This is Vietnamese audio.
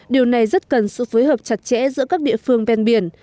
điều này rất cần sự phối hợp chặt chẽ giữa các địa phương ven biển